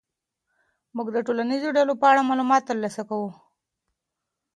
موږ د ټولنیزو ډلو په اړه معلومات ترلاسه کوو.